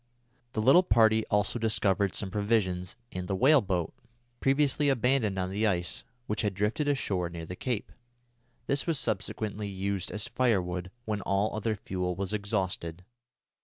The little party also discovered some provisions and the whale boat, previously abandoned on the ice, which had drifted ashore near the cape. This was subsequently used as firewood when all other fuel was exhausted.